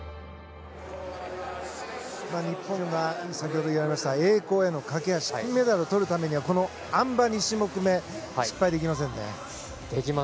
日本が先ほど言われました栄光への架け橋金メダルをとるためにはあん馬、２種目めできません。